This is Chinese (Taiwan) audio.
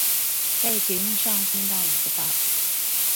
在捷運上聽到一個爸爸